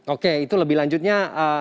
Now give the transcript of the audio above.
oke itu lebih lanjutnya